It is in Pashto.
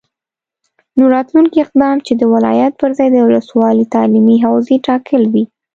نو راتلونکی اقدام چې د ولایت پرځای د ولسوالي تعلیمي حوزې ټاکل وي،